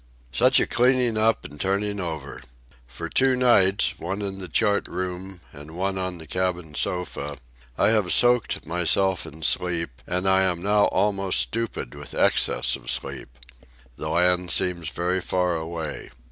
Such a cleaning up and turning over! For two nights, one in the chart room and one on the cabin sofa, I have soaked myself in sleep, and I am now almost stupid with excess of sleep. The land seems very far away.